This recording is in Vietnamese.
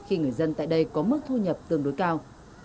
khi người dân tại đây có mức thu nhập tương đối cao